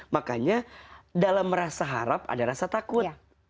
makanya dalam rasa harap ada rasa takut